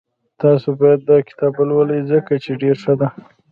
تاسو باید داکتاب ولولئ ځکه چی ډېر ښه ده